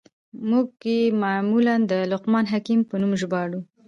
موږ ئې معمولاً د لقمان حکيم په نوم ژباړو.